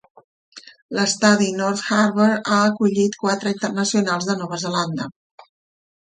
L'estadi North Harbour ha acollit quatre internacionals de Nova Zelanda.